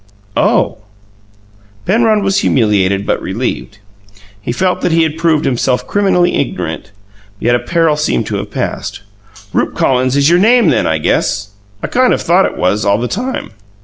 "Oh!" Penrod was humiliated but relieved: he felt that he had proved himself criminally ignorant, yet a peril seemed to have passed. "Rupe Collins is your name, then, I guess. I kind of thought it was, all the time."